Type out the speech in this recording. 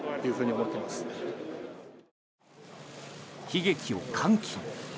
悲劇を歓喜に。